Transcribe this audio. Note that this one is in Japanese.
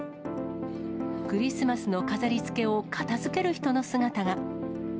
クリスマスの飾りつけを片づける人の姿が。